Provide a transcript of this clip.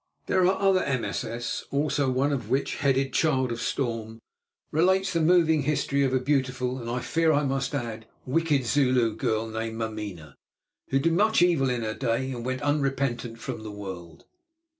There are other MSS. also, one of which, headed "Child of Storm," relates the moving history of a beautiful and, I fear I must add, wicked Zulu girl named Mameena who did much evil in her day and went unrepentant from the world.